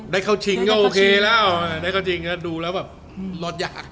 ได้เข้าชิงก็โอเคแล้วได้เข้าจริงแล้วดูแล้วแบบรถยาก